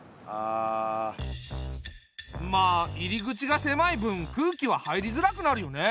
まあ入り口が狭い分空気は入りづらくなるよね。